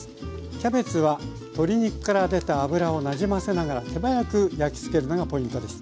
キャベツは鶏肉から出た脂をなじませながら手早く焼き付けるのがポイントです。